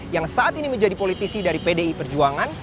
yang saat ini menjadi politisi dari pdi perjuangan